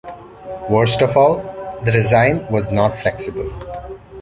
Worst of all, the design was not flexible.